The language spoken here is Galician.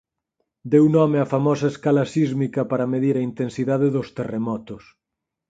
Deu nome á famosa escala sísmica para medir a intensidade dos terremotos.